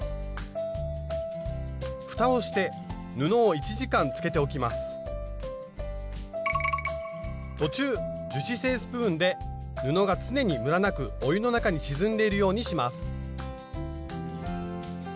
ふたをして布を途中樹脂製スプーンで布が常にムラなくお湯の中に沈んでいるようにします。